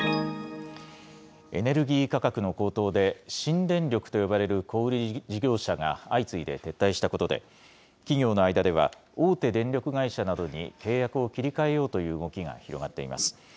エネルギー価格の高騰で、新電力と呼ばれる小売り事業者が相次いで撤退したことで、企業の間では、大手電力会社などに契約を切り替えようという動きが広がっています。